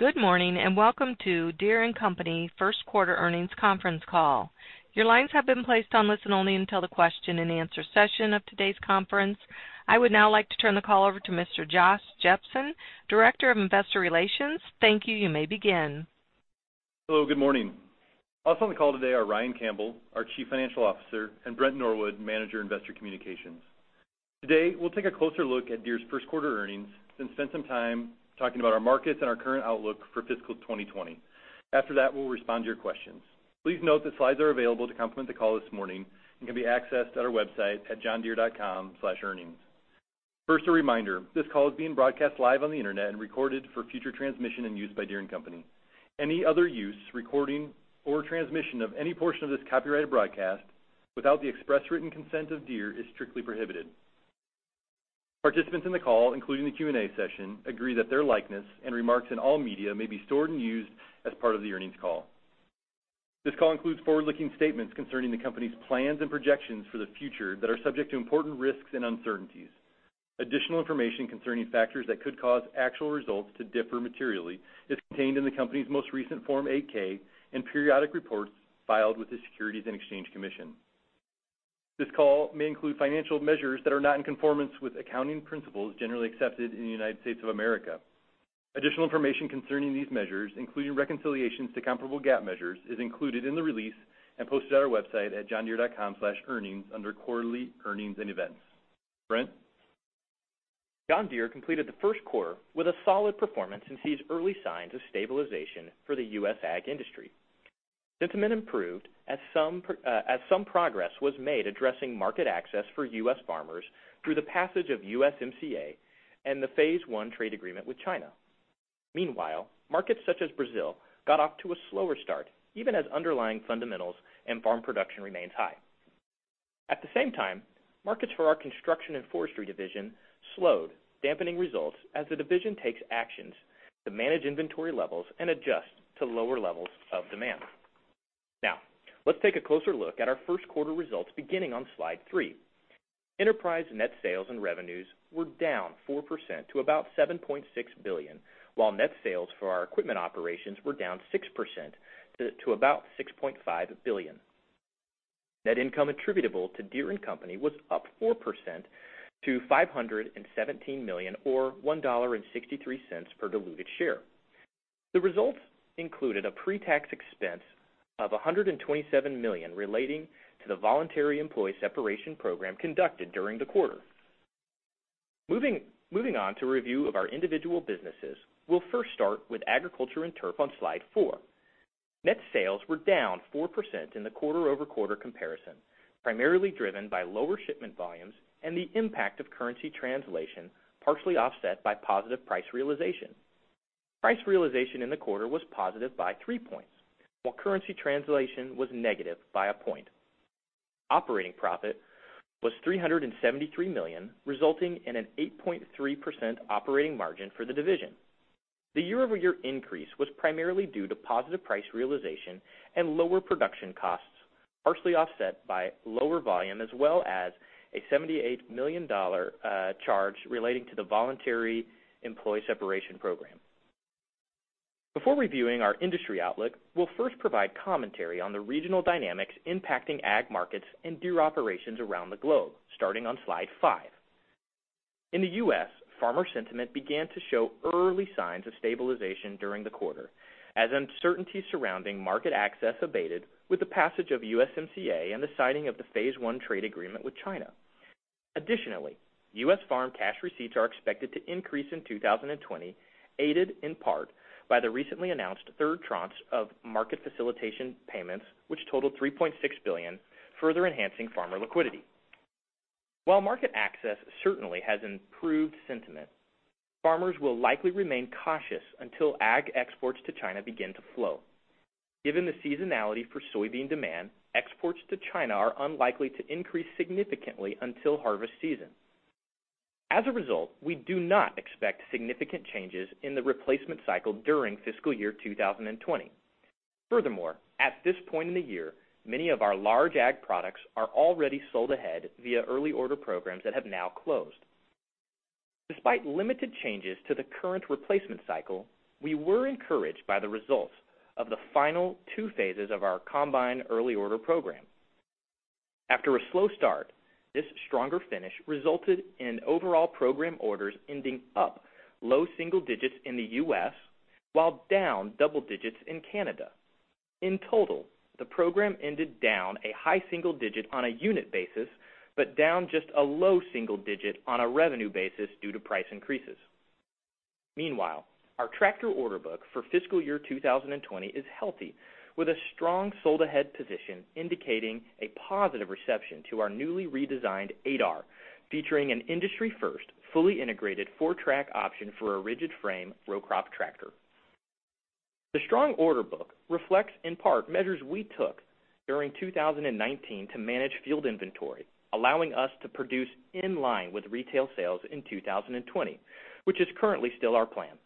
Good morning. Welcome to Deere & Company First Quarter Earnings Conference Call. Your lines have been placed on listen-only until the question and answer session of today's conference. I would now like to turn the call over to Mr. Josh Jepsen, Director of Investor Relations. Thank you. You may begin. Hello, good morning. Also on the call today are Ryan Campbell, our Chief Financial Officer, and Brent Norwood, Manager, Investor Communications. Today, we'll take a closer look at Deere's first quarter earnings, then spend some time talking about our markets and our current outlook for fiscal 2020. After that, we'll respond to your questions. Please note that slides are available to complement the call this morning and can be accessed at our website at johndeere.com/earnings. First, a reminder, this call is being broadcast live on the internet and recorded for future transmission and use by Deere & Company. Any other use, recording, or transmission of any portion of this copyrighted broadcast without the express written consent of Deere is strictly prohibited. Participants in the call, including the Q&A session, agree that their likeness and remarks in all media may be stored and used as part of the earnings call. This call includes forward-looking statements concerning the company's plans and projections for the future that are subject to important risks and uncertainties. Additional information concerning factors that could cause actual results to differ materially is contained in the company's most recent Form 8-K and periodic reports filed with the Securities and Exchange Commission. This call may include financial measures that are not in conformance with accounting principles generally accepted in the United States of America. Additional information concerning these measures, including reconciliations to comparable GAAP measures, is included in the release and posted on our website at johndeere.com/earnings under Quarterly Earnings and Events. Brent? John Deere completed the first quarter with a solid performance and sees early signs of stabilization for the U.S. ag industry. Sentiment improved as some progress was made addressing market access for U.S. farmers through the passage of USMCA and the Phase One trade agreement with China. Meanwhile, markets such as Brazil got off to a slower start, even as underlying fundamentals and farm production remains high. At the same time, markets for our Construction & Forestry division slowed, dampening results as the division takes actions to manage inventory levels and adjust to lower levels of demand. Let's take a closer look at our first quarter results beginning on slide three. Enterprise net sales and revenues were down 4% to about $7.6 billion, while net sales for our equipment operations were down 6% to about $6.5 billion. Net income attributable to Deere & Company was up 4% to $517 million or $1.63 per diluted share. The results included a pre-tax expense of $127 million relating to the voluntary employee separation program conducted during the quarter. Moving on to a review of our individual businesses, we'll first start with Agriculture & Turf on Slide four. Net sales were down 4% in the quarter-over-quarter comparison, primarily driven by lower shipment volumes and the impact of currency translation, partially offset by positive price realization. Price realization in the quarter was positive by three points, while currency translation was negative by a point. Operating profit was $373 million, resulting in an 8.3% operating margin for the division. The year-over-year increase was primarily due to positive price realization and lower production costs, partially offset by lower volume, as well as a $78 million charge relating to the voluntary employee separation program. Before reviewing our industry outlook, we'll first provide commentary on the regional dynamics impacting ag markets and Deere operations around the globe, starting on slide five. In the U.S., farmer sentiment began to show early signs of stabilization during the quarter as uncertainty surrounding market access abated with the passage of USMCA and the signing of the Phase One trade agreement with China. Additionally, U.S. farm cash receipts are expected to increase in 2020, aided in part by the recently announced third tranche of market facilitation payments, which totaled $3.6 billion, further enhancing farmer liquidity. While market access certainly has improved sentiment, farmers will likely remain cautious until ag exports to China begin to flow. Given the seasonality for soybean demand, exports to China are unlikely to increase significantly until harvest season. As a result, we do not expect significant changes in the replacement cycle during fiscal year 2020. Furthermore, at this point in the year, many of our large ag products are already sold ahead via early order programs that have now closed. Despite limited changes to the current replacement cycle, we were encouraged by the results of the final two phases of our Combine Early Order Program. After a slow start, this stronger finish resulted in overall program orders ending up low single digits in the U.S., while down double digits in Canada. In total, the program ended down a high single digit on a unit basis, but down just a low single digit on a revenue basis due to price increases. Meanwhile, our tractor order book for fiscal year 2020 is healthy, with a strong sold ahead position indicating a positive reception to our newly redesigned 8R, featuring an industry-first fully integrated four-track option for a rigid frame row crop tractor. The strong order book reflects in part measures we took during 2019 to manage field inventory, allowing us to produce in line with retail sales in 2020, which is currently still our plan.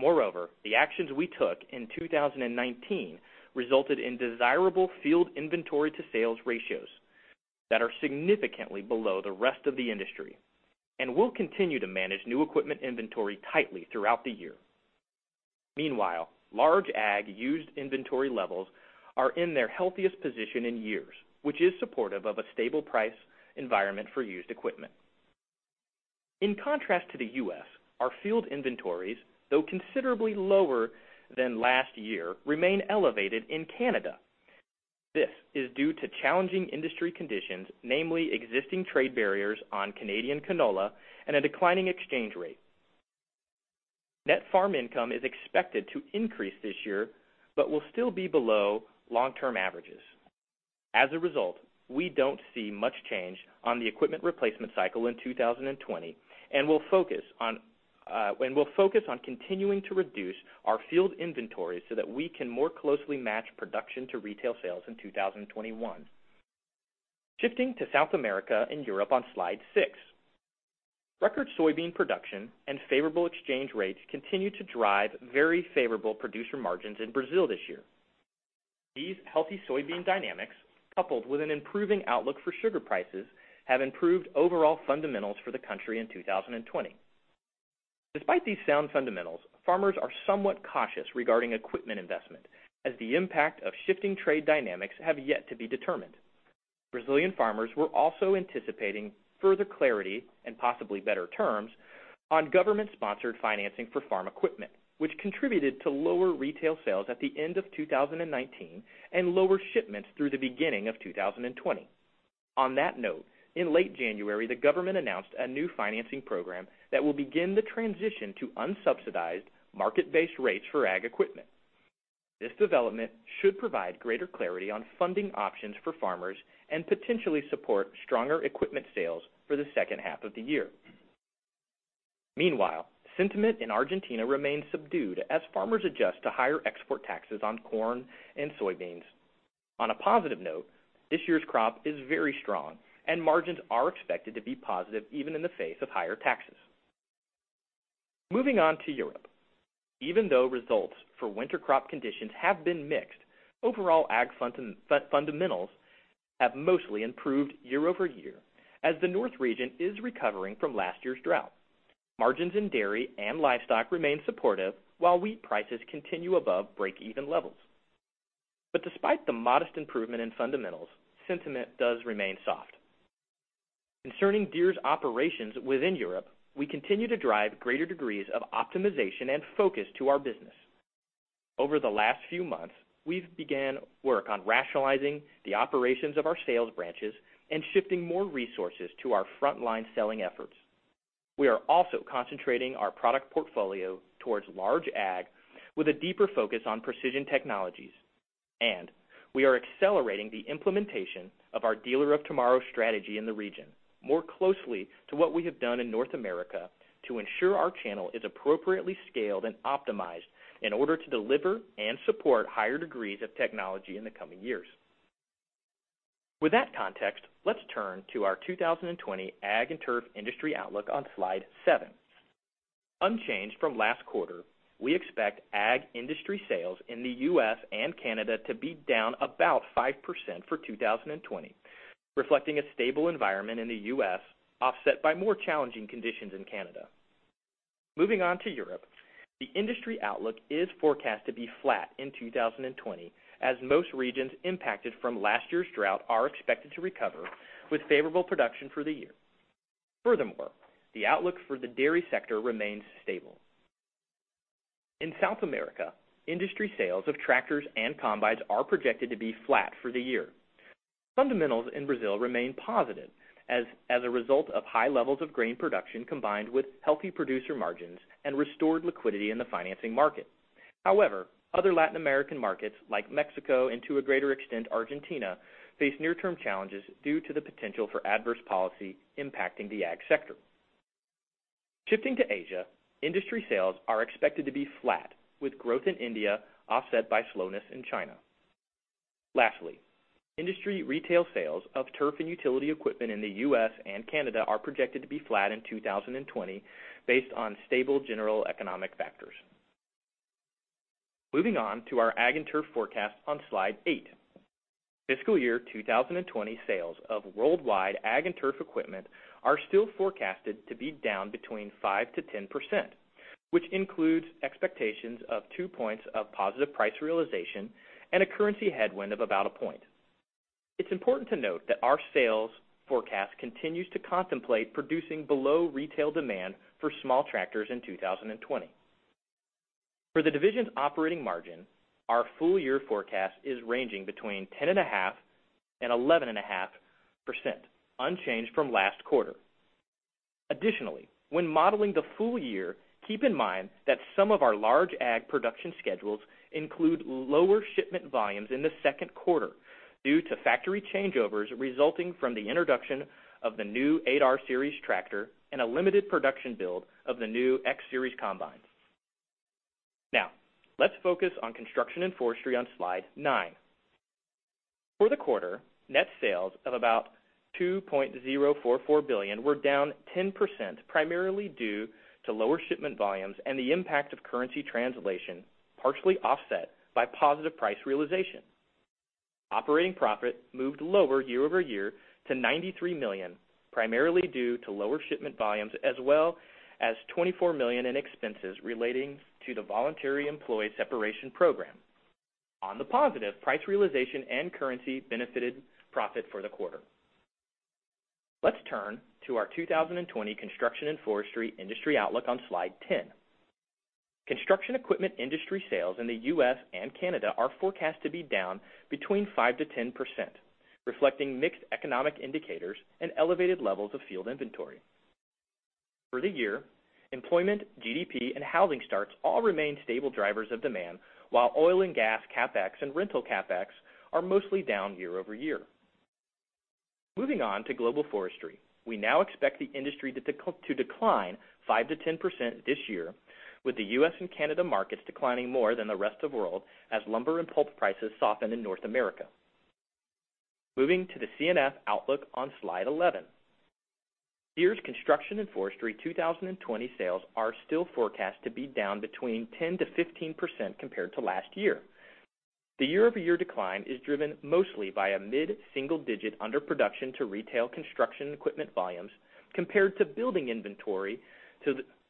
Moreover, the actions we took in 2019 resulted in desirable field inventory to sales ratios that are significantly below the rest of the industry. We'll continue to manage new equipment inventory tightly throughout the year. Meanwhile, large ag used inventory levels are in their healthiest position in years, which is supportive of a stable price environment for used equipment. In contrast to the U.S., our field inventories, though considerably lower than last year, remain elevated in Canada. This is due to challenging industry conditions, namely existing trade barriers on Canadian canola and a declining exchange rate. Net farm income is expected to increase this year, will still be below long-term averages. As a result, we don't see much change on the equipment replacement cycle in 2020 and we'll focus on continuing to reduce our field inventory so that we can more closely match production to retail sales in 2021. Shifting to South America and Europe on slide six. Record soybean production and favorable exchange rates continue to drive very favorable producer margins in Brazil this year. These healthy soybean dynamics, coupled with an improving outlook for sugar prices, have improved overall fundamentals for the country in 2020. Despite these sound fundamentals, farmers are somewhat cautious regarding equipment investment as the impact of shifting trade dynamics have yet to be determined. Brazilian farmers were also anticipating further clarity and possibly better terms on government-sponsored financing for farm equipment, which contributed to lower retail sales at the end of 2019 and lower shipments through the beginning of 2020. On that note, in late January, the government announced a new financing program that will begin the transition to unsubsidized market-based rates for ag equipment. This development should provide greater clarity on funding options for farmers and potentially support stronger equipment sales for the second half of the year. Meanwhile, sentiment in Argentina remains subdued as farmers adjust to higher export taxes on corn and soybeans. On a positive note, this year's crop is very strong and margins are expected to be positive, even in the face of higher taxes. Moving on to Europe. Even though results for winter crop conditions have been mixed, overall ag fundamentals have mostly improved year-over-year as the north region is recovering from last year's drought. Margins in dairy and livestock remain supportive, while wheat prices continue above break-even levels. Despite the modest improvement in fundamentals, sentiment does remain soft. Concerning Deere's operations within Europe, we continue to drive greater degrees of optimization and focus to our business. Over the last few months, we've began work on rationalizing the operations of our sales branches and shifting more resources to our frontline selling efforts. We are also concentrating our product portfolio towards large ag with a deeper focus on precision technologies. We are accelerating the implementation of our Dealer of Tomorrow strategy in the region more closely to what we have done in North America to ensure our channel is appropriately scaled and optimized in order to deliver and support higher degrees of technology in the coming years. With that context, let's turn to our 2020 Ag & Turf industry outlook on Slide seven. Unchanged from last quarter, we expect ag industry sales in the U.S. and Canada to be down about 5% for 2020, reflecting a stable environment in the U.S., offset by more challenging conditions in Canada. Moving on to Europe, the industry outlook is forecast to be flat in 2020, as most regions impacted from last year's drought are expected to recover with favorable production for the year. The outlook for the dairy sector remains stable. In South America, industry sales of tractors and combines are projected to be flat for the year. Fundamentals in Brazil remain positive as a result of high levels of grain production, combined with healthy producer margins and restored liquidity in the financing market. Other Latin American markets like Mexico and to a greater extent, Argentina, face near-term challenges due to the potential for adverse policy impacting the ag sector. Shifting to Asia, industry sales are expected to be flat with growth in India offset by slowness in China. Lastly, industry retail sales of turf and utility equipment in the U.S. and Canada are projected to be flat in 2020 based on stable general economic factors. Moving on to our Agriculture & Turf forecast on Slide eight. Fiscal year 2020 sales of worldwide Agriculture & Turf equipment are still forecasted to be down between 5%-10%, which includes expectations of two points of positive price realization and a currency headwind of about a point. It's important to note that our sales forecast continues to contemplate producing below retail demand for small tractors in 2020. For the division's operating margin, our full year forecast is ranging between 10.5%-11.5%, unchanged from last quarter. Additionally, when modeling the full year, keep in mind that some of our large ag production schedules include lower shipment volumes in the second quarter due to factory changeovers resulting from the introduction of the new 8R series tractor and a limited production build of the new X Series combines. Let's focus on Construction & Forestry on slide nine. For the quarter, net sales of about $2.044 billion were down 10%, primarily due to lower shipment volumes and the impact of currency translation, partially offset by positive price realization. Operating profit moved lower year-over-year to $93 million, primarily due to lower shipment volumes, as well as $24 million in expenses relating to the voluntary employee separation program. On the positive, price realization and currency benefited profit for the quarter. Let's turn to our 2020 Construction & Forestry industry outlook on slide 10. Construction equipment industry sales in the U.S. and Canada are forecast to be down between 5%-10%, reflecting mixed economic indicators and elevated levels of field inventory. For the year, employment, GDP, and housing starts all remain stable drivers of demand, while oil and gas CapEx and rental CapEx are mostly down year-over-year. Moving on to global forestry, we now expect the industry to decline 5%-10% this year, with the U.S. and Canada markets declining more than the rest of the world, as lumber and pulp prices soften in North America. Moving to the C&F outlook on slide 11. Deere's Construction & Forestry 2020 sales are still forecast to be down between 10%-15% compared to last year. The year-over-year decline is driven mostly by a mid-single digit under production to retail construction equipment volumes,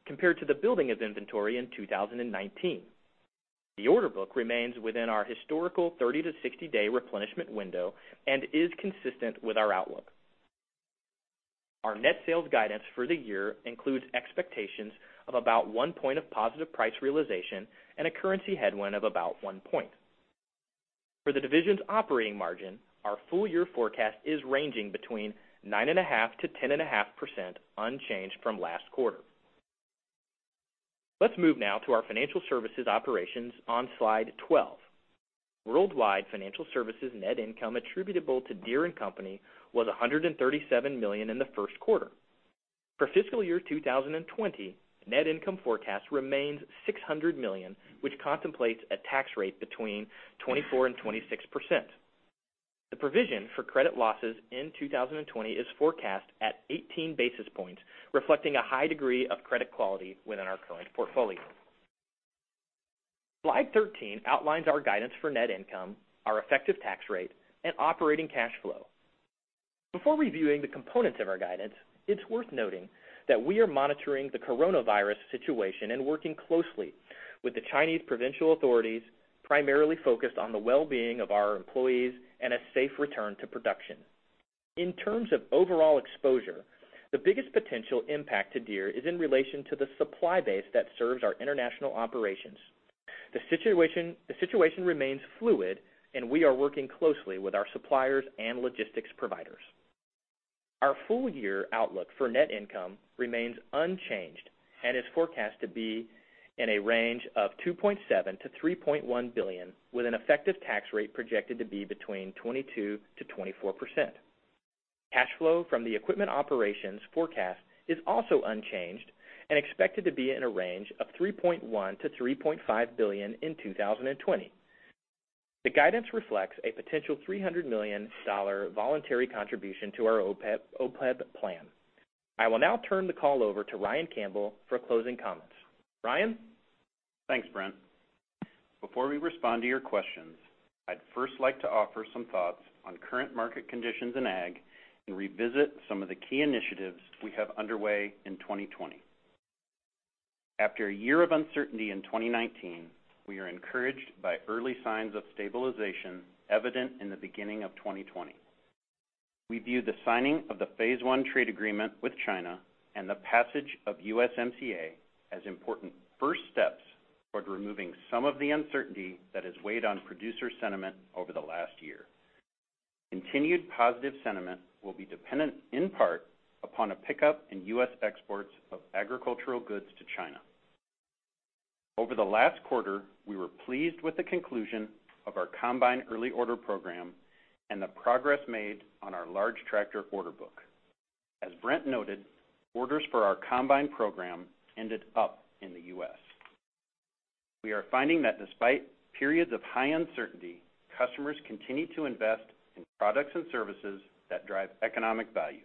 compared to the building of inventory in 2019. The order book remains within our historical 30-60-day replenishment window and is consistent with our outlook. Our net sales guidance for the year includes expectations of about one point of positive price realization and a currency headwind of about one point. For the division's operating margin, our full-year forecast is ranging between 9.5%-10.5% unchanged from last quarter. Let's move now to our financial services operations on slide 12. Worldwide financial services net income attributable to Deere & Company was $137 million in the first quarter. For fiscal year 2020, net income forecast remains $600 million, which contemplates a tax rate between 24% and 26%. The provision for credit losses in 2020 is forecast at 18 basis points, reflecting a high degree of credit quality within our current portfolio. Slide 13 outlines our guidance for net income, our effective tax rate and operating cash flow. Before reviewing the components of our guidance, it's worth noting that we are monitoring the coronavirus situation and working closely with the Chinese provincial authorities, primarily focused on the well-being of our employees and a safe return to production. In terms of overall exposure, the biggest potential impact to Deere is in relation to the supply base that serves our international operations. The situation remains fluid, and we are working closely with our suppliers and logistics providers. Our full year outlook for net income remains unchanged and is forecast to be in a range of $2.7 billion-$3.1 billion, with an effective tax rate projected to be between 22%-24%. Cash flow from the equipment operations forecast is also unchanged and expected to be in a range of $3.1 billion-$3.5 billion in 2020. The guidance reflects a potential $300 million voluntary contribution to our OPEB plan. I will now turn the call over to Ryan Campbell for closing comments. Ryan? Thanks, Brent. Before we respond to your questions, I'd first like to offer some thoughts on current market conditions in ag and revisit some of the key initiatives we have underway in 2020. After a year of uncertainty in 2019, we are encouraged by early signs of stabilization evident in the beginning of 2020. We view the signing of the Phase One trade agreement with China and the passage of USMCA as important first steps toward removing some of the uncertainty that has weighed on producer sentiment over the last year. Continued positive sentiment will be dependent in part upon a pickup in U.S. exports of agricultural goods to China. Over the last quarter, we were pleased with the conclusion of our Combine early order program and the progress made on our large tractor order book. As Brent noted, orders for our Combine program ended up in the U.S. We are finding that despite periods of high uncertainty, customers continue to invest in products and services that drive economic value.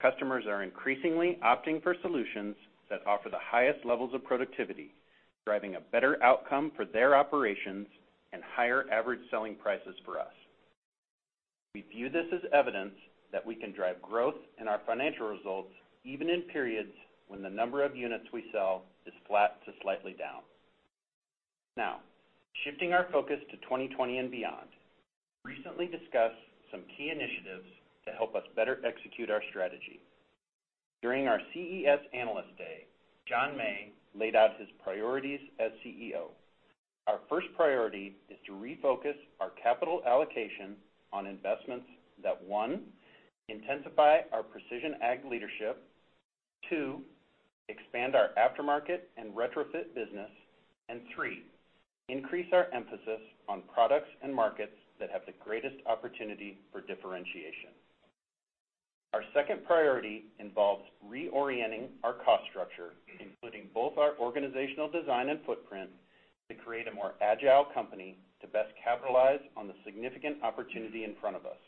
Customers are increasingly opting for solutions that offer the highest levels of productivity, driving a better outcome for their operations and higher average selling prices for us. We view this as evidence that we can drive growth in our financial results even in periods when the number of units we sell is flat to slightly down. Shifting our focus to 2020 and beyond, recently discussed some key initiatives to help us better execute our strategy. During our CES Analyst Day, John May laid out his priorities as CEO. Our first priority is to refocus our capital allocation on investments that, one, intensify our precision ag leadership. Two, expand our aftermarket and retrofit business. Three, increase our emphasis on products and markets that have the greatest opportunity for differentiation. Our second priority involves reorienting our cost structure, including both our organizational design and footprint, to create a more agile company to best capitalize on the significant opportunity in front of us.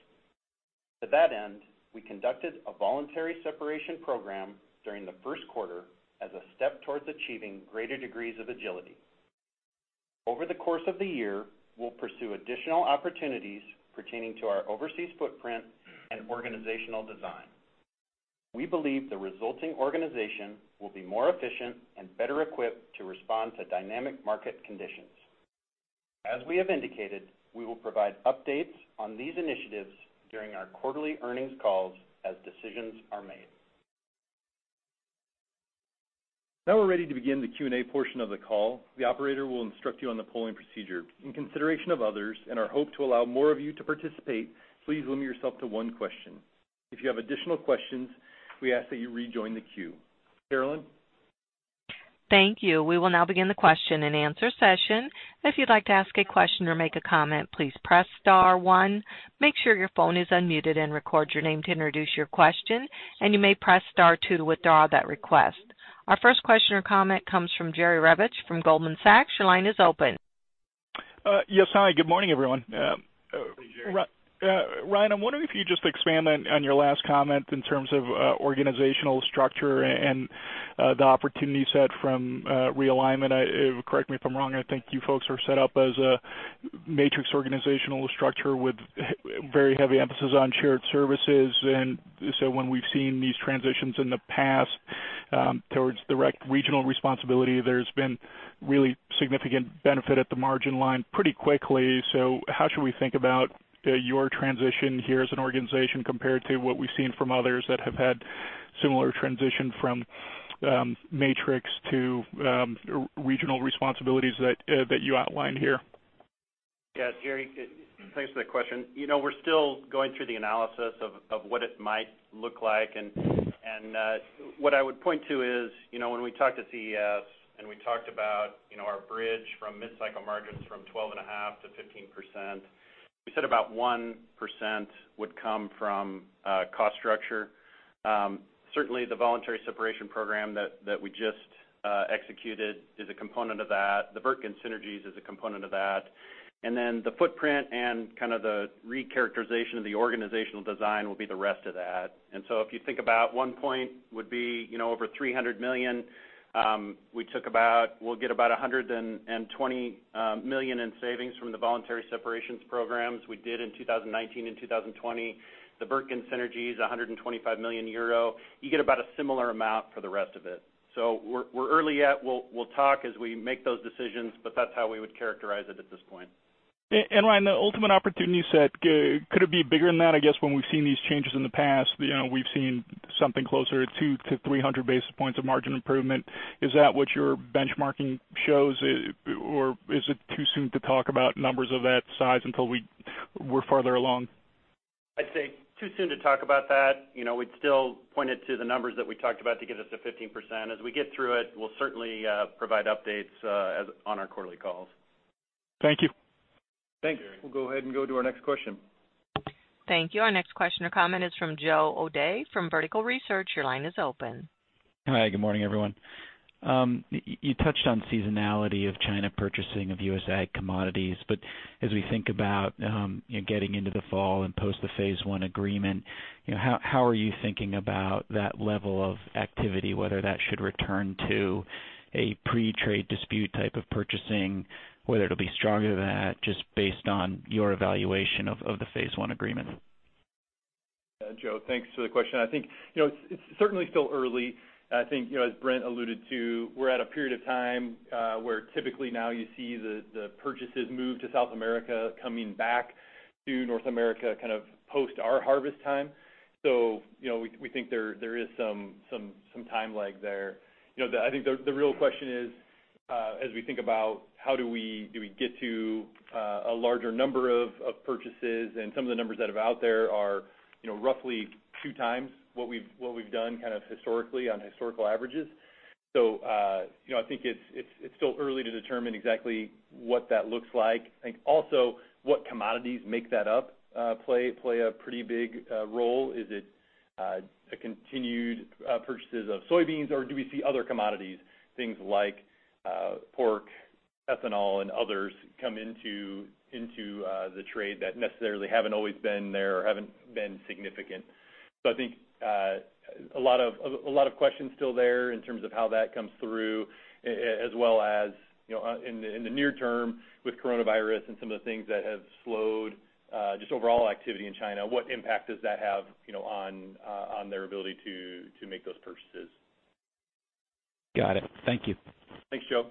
To that end, we conducted a voluntary separation program during the first quarter as a step towards achieving greater degrees of agility. Over the course of the year, we'll pursue additional opportunities pertaining to our overseas footprint and organizational design. We believe the resulting organization will be more efficient and better equipped to respond to dynamic market conditions. As we have indicated, we will provide updates on these initiatives during our quarterly earnings calls as decisions are made. Now we are ready to begin the Q&A portion of the call. The operator will instruct you on the polling procedure. In consideration of others and our hope to allow more of you to participate, please limit yourself to one question. If you have additional questions, we ask that you rejoin the queue. Carolyn? Thank you. We will now begin the question and answer session. If you'd like to ask a question or make a comment, please press star one. Make sure your phone is unmuted, and record your name to introduce your question, and you may press star two to withdraw that request. Our first question or comment comes from Jerry Revich from Goldman Sachs. Your line is open. Yes. Hi, good morning, everyone. Hey, Jerry. Ryan, I'm wondering if you just expand on your last comment in terms of organizational structure and the opportunity set from realignment? Correct me if I'm wrong. I think you folks are set up as a matrix organizational structure with very heavy emphasis on shared services. When we've seen these transitions in the past towards direct regional responsibility, there's been really significant benefit at the margin line pretty quickly. How should we think about your transition here as an organization compared to what we've seen from others that have had similar transition from matrix to regional responsibilities that you outlined here? Yeah, Jerry, thanks for that question. We're still going through the analysis of what it might look like. What I would point to is, when we talked at CES and we talked about our bridge from mid-cycle margins from 12.5%-15%, we said about 1% would come from cost structure. Certainly, the voluntary separation program that we just executed is a component of that. The Wirtgen synergies is a component of that. Then the footprint and kind of the recharacterization of the organizational design will be the rest of that. If you think about one point would be over $300 million. We'll get about $120 million in savings from the voluntary separations programs we did in 2019 and 2020. The Wirtgen synergies, 125 million euro. You get about a similar amount for the rest of it. We're early yet. We'll talk as we make those decisions, but that's how we would characterize it at this point. Ryan, the ultimate opportunity set, could it be bigger than that? I guess when we've seen these changes in the past, we've seen something closer to 200-300 basis points of margin improvement. Is that what your benchmarking shows? Or is it too soon to talk about numbers of that size until we're farther along? I'd say too soon to talk about that. We'd still point it to the numbers that we talked about to get us to 15%. As we get through it, we'll certainly provide updates on our quarterly calls. Thank you. Thanks. We'll go ahead and go to our next question. Thank you. Our next question or comment is from Joe O'Dea from Vertical Research Partners. Your line is open. Hi, good morning, everyone. You touched on seasonality of China purchasing of U.S. ag commodities. As we think about getting into the fall and post the Phase One agreement, how are you thinking about that level of activity, whether that should return to a pre-trade dispute type of purchasing, whether it'll be stronger than that, just based on your evaluation of the Phase One agreement? Joe, thanks for the question. I think it's certainly still early. I think as Brent alluded to, we're at a period of time where typically now you see the purchases move to South America coming back to North America, kind of post our harvest time. We think there is some time lag there. I think the real question is as we think about how do we get to a larger number of purchases and some of the numbers that are out there are roughly two times what we've done kind of historically on historical averages. I think it's still early to determine exactly what that looks like. I think also what commodities make that up play a pretty big role. Is it a continued purchases of soybeans, or do we see other commodities, things like pork, ethanol, and others come into the trade that necessarily haven't always been there or haven't been significant? I think a lot of questions still there in terms of how that comes through, as well as, in the near term with coronavirus and some of the things that have slowed just overall activity in China, what impact does that have on their ability to make those purchases? Got it. Thank you. Thanks, Joe. Thank you.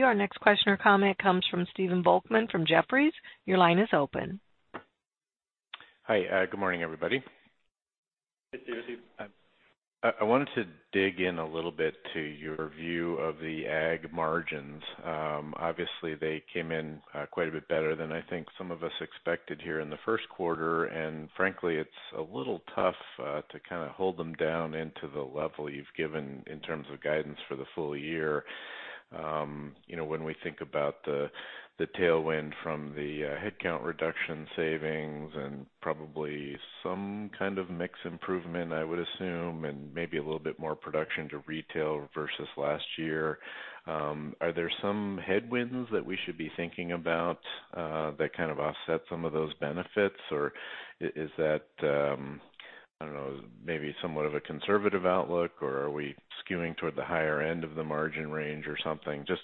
Our next question or comment comes from Stephen Volkmann from Jefferies. Your line is open. Hi. Good morning, everybody. Hey, Steve. I wanted to dig in a little bit to your view of the Ag margins. Obviously, they came in quite a bit better than I think some of us expected here in the first quarter, and frankly, it's a little tough to kind of hold them down into the level you've given in terms of guidance for the full year. When we think about the tailwind from the headcount reduction savings and probably some kind of mix improvement, I would assume, and maybe a little bit more production to retail versus last year. Are there some headwinds that we should be thinking about that kind of offset some of those benefits, or is that, I don't know, maybe somewhat of a conservative outlook, or are we skewing toward the higher end of the margin range or something? Just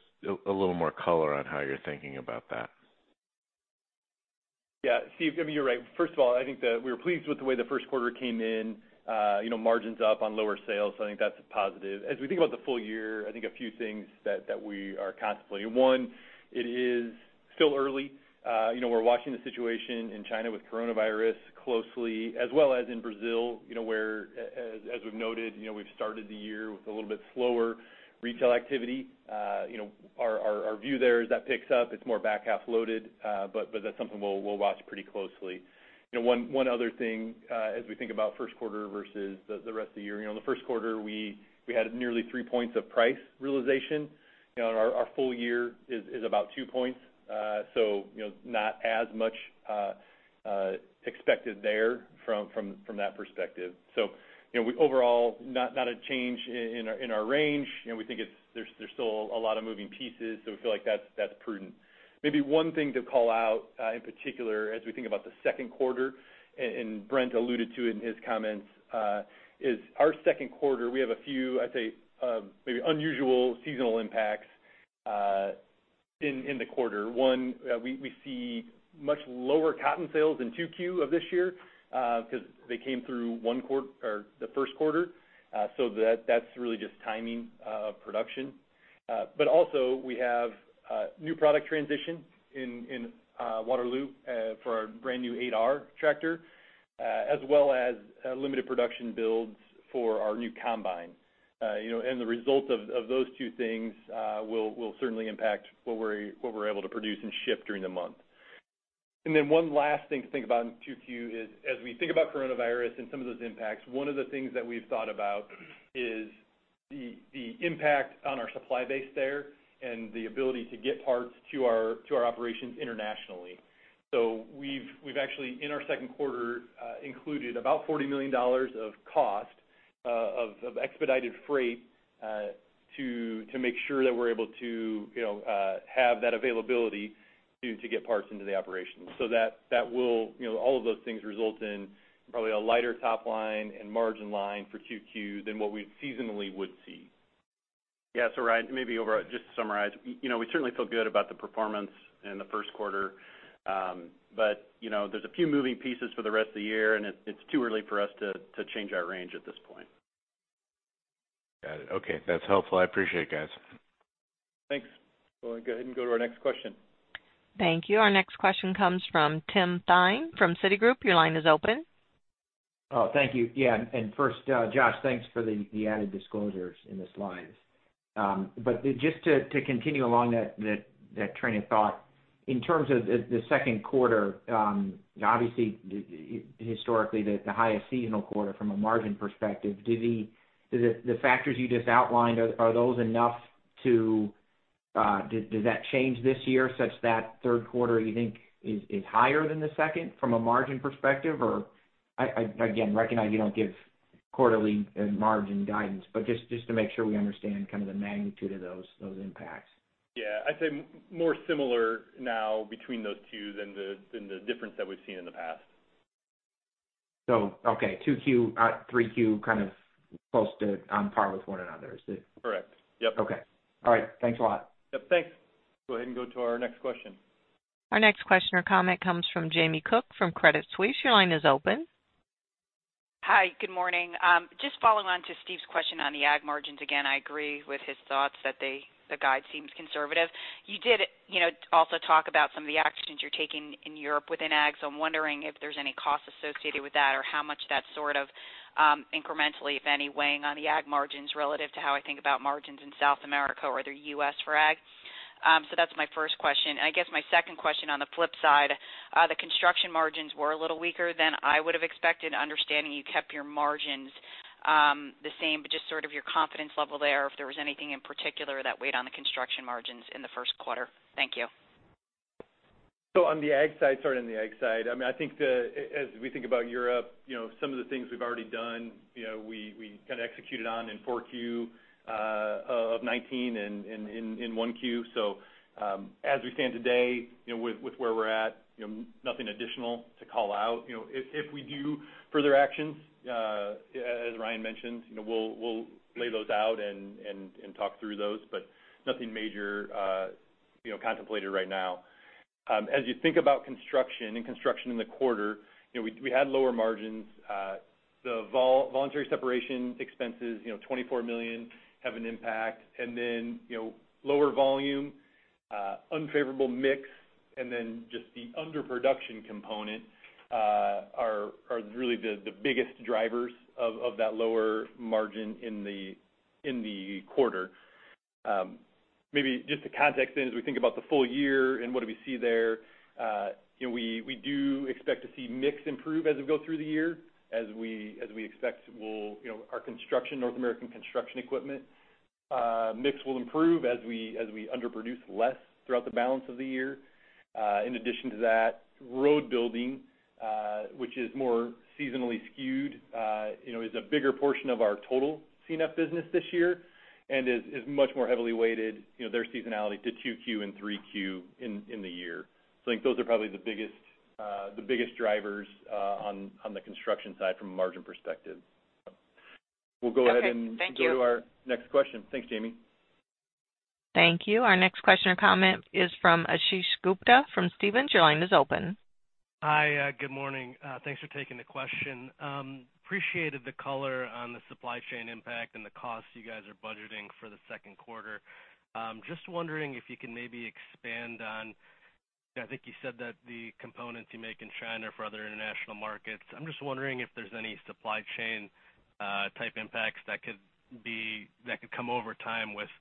a little more color on how you're thinking about that. Yeah, Steve, you're right. First of all, I think that we were pleased with the way the first quarter came in. Margins up on lower sales. I think that's a positive. As we think about the full year, I think a few things that we are contemplating. One, it is still early. We're watching the situation in China with coronavirus closely, as well as in Brazil, where, as we've noted, we've started the year with a little bit slower retail activity. Our view there, as that picks up, it's more back-half loaded. That's something we'll watch pretty closely. One other thing, as we think about first quarter versus the rest of the year. In the first quarter, we had nearly three points of price realization. Our full year is about two points. Not as much expected there from that perspective. Overall, not a change in our range. We think there's still a lot of moving pieces, so we feel like that's prudent. Maybe one thing to call out in particular as we think about the second quarter, and Brent alluded to it in his comments, is our second quarter, we have a few, I'd say, maybe unusual seasonal impacts in the quarter. One, we see much lower cotton sales in 2Q of this year because they came through the first quarter. That's really just timing of production. Also we have new product transition in Waterloo for our brand new 8R tractor, as well as limited production builds for our new combine. The result of those two things will certainly impact what we're able to produce and ship during the month. One last thing to think about in 2Q is as we think about coronavirus and some of those impacts, one of the things that we've thought about is the impact on our supply base there and the ability to get parts to our operations internationally. We've actually, in our second quarter, included about $40 million of cost of expedited freight to make sure that we're able to have that availability to get parts into the operations. All of those things result in probably a lighter top line and margin line for 2Q than what we seasonally would see. Yeah. Ryan, maybe just to summarize, we certainly feel good about the performance in the first quarter. There's a few moving pieces for the rest of the year and it's too early for us to change our range at this point. Got it. Okay. That's helpful. I appreciate it, guys. Thanks. Why don't we go ahead and go to our next question. Thank you. Our next question comes from Tim Thein from Citigroup. Your line is open. Thank you. Yeah. First, Josh, thanks for the added disclosures in the slides. Just to continue along that train of thought, in terms of the second quarter, obviously historically the highest seasonal quarter from a margin perspective. The factors you just outlined, are those enough? Does that change this year such that third quarter you think is higher than the second from a margin perspective? I, again, recognize you don't give quarterly margin guidance, just to make sure we understand kind of the magnitude of those impacts. Yeah. I'd say more similar now between those two than the difference that we've seen in the past. Okay. 2Q, 3Q, kind of close to on par with one another, is it? Correct. Yep. Okay. All right. Thanks a lot. Yep, thanks. Go ahead and go to our next question. Our next question or comment comes from Jamie Cook from Credit Suisse. Your line is open. Hi, good morning. Just following on to Steve's question on the Ag margins. I agree with his thoughts that the guide seems conservative. You did also talk about some of the actions you're taking in Europe within ag. I'm wondering if there's any cost associated with that or how much that sort of incrementally, if any, weighing on the Ag margins relative to how I think about margins in South America or the U.S. for ag. That's my first question. I guess my second question on the flip side, the construction margins were a little weaker than I would've expected, understanding you kept your margins the same, but just sort of your confidence level there if there was anything in particular that weighed on the construction margins in the first quarter. Thank you. On the Ag side, starting on the Ag side, I think as we think about Europe, some of the things we've already done we executed on in 4Q of 2019 and in 1Q. As we stand today with where we're at, nothing additional to call out. If we do further actions, as Ryan mentioned, we'll lay those out and talk through those, but nothing major contemplated right now. As you think about Construction in the quarter, we had lower margins. The voluntary separation expenses, $24 million have an impact, and then lower volume, unfavorable mix, and the underproduction component are the biggest drivers of that lower margin in the quarter. To context in as we think about the full year and what do we see there. We do expect to see mix improve as we go through the year. As we expect our North American construction equipment mix will improve as we underproduce less throughout the balance of the year. In addition to that, road building, which is more seasonally skewed, is a bigger portion of our total C&F business this year and is much more heavily weighted, their seasonality to 2Q and 3Q in the year. I think those are probably the biggest drivers on the construction side from a margin perspective. Okay. Thank you Go to our next question. Thanks, Jamie. Thank you. Our next question or comment is from Ashish Gupta from Stephens. Your line is open. Hi, good morning. Thanks for taking the question. Appreciated the color on the supply chain impact and the costs you guys are budgeting for the second quarter. Just wondering if you can maybe expand on, I think you said that the components you make in China are for other international markets. I'm just wondering if there's any supply chain type impacts that could come over time with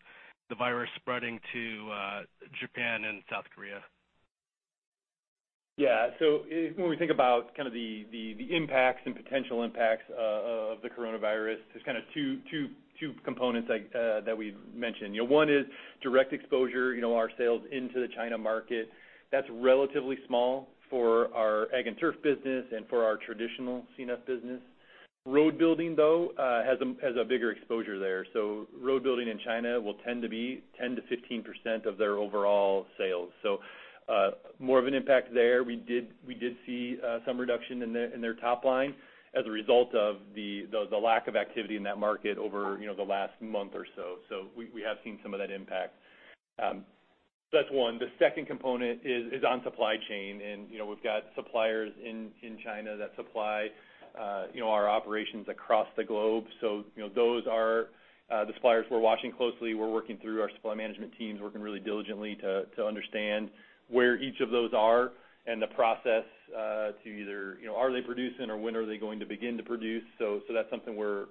the virus spreading to Japan and South Korea. Yeah. When we think about the impacts and potential impacts of the coronavirus, there's two components that we've mentioned. One is direct exposure, our sales into the China market. That's relatively small for our Ag & Turf business and for our traditional C&F business. Road building, though, has a bigger exposure there. Road building in China will tend to be 10%-15% of their overall sales. More of an impact there. We did see some reduction in their top line as a result of the lack of activity in that market over the last month or so. We have seen some of that impact. That's one. The second component is on supply chain, and we've got suppliers in China that supply our operations across the globe. Those are the suppliers we're watching closely. We're working through our supply management teams, working really diligently to understand where each of those are and the process to either are they producing or when are they going to begin to produce? That's something we're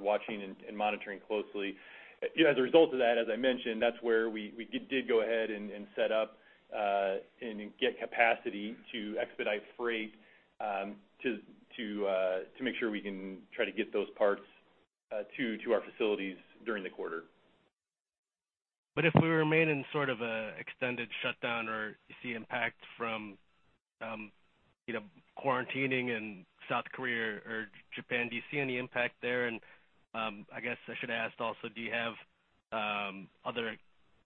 watching and monitoring closely. As a result of that, as I mentioned, that's where we did go ahead and set up and get capacity to expedite freight to make sure we can try to get those parts to our facilities during the quarter. If we remain in sort of an extended shutdown or you see impact from quarantining in South Korea or Japan, do you see any impact there? I guess I should ask also, do you have other